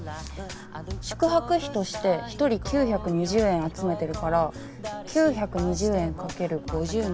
宿泊費として一人９２０円集めてるから９２０円かける５０人。